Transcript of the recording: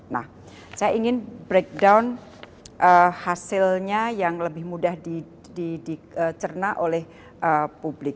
nah saya ingin breakdown hasilnya yang lebih mudah dicerna oleh publik